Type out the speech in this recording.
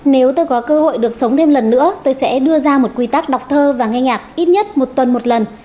nếu tôi có cơ hội được sống thêm lần nữa tôi sẽ đưa ra một quy tắc đọc thơ và nghe nhạc ít nhất một tuần một lần